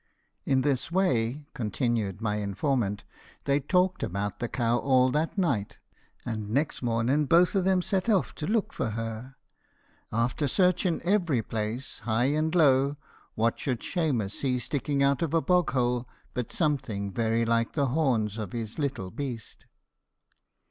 '" In this way, continued my informant, they talked about the cow all that night, and next mornen both o' them set off to look for her. After searching every place, high and low, what should Shemus see sticking out of a bog hole but something very like the horns of his little beast!